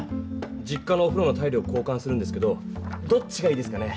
実家のおふろのタイルを交かんするんですけどどっちがいいですかね？